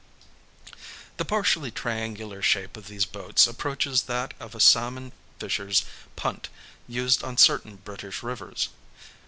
The partially triangular shape of these boats approaches that of a salmon fisher's punt used on certain British rivers.